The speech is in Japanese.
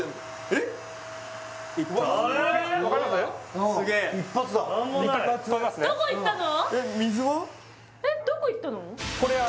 えっどこ行ったの？